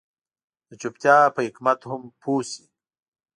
د چوپتيا په حکمت هم پوه شي.